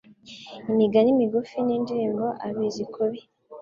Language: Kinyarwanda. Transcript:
imigani migufi, n'indirimbo abizi kubi